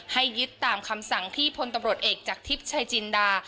ยึดตามคำสั่งที่พลตำรวจเอกจากทิพย์ชายจินดา